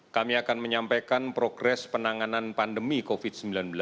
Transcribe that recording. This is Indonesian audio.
kami akan menyampaikan progres penanganan pandemi covid sembilan belas